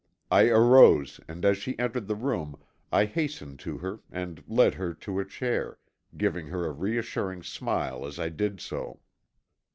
I arose and as she entered the room I hastened to her and led her to a chair, giving her a reassuring smile as I did so.